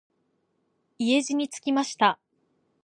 家路につきました。